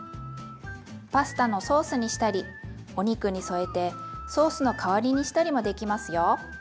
パスタのソースにしたりお肉に添えてソースの代わりにしたりもできますよ。